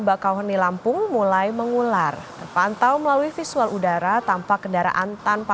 bakauheni lampung mulai mengular terpantau melalui visual udara tanpa kendaraan tanpa